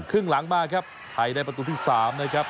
ครึ่งหลังมาครับไทยได้ประตูที่๓นะครับ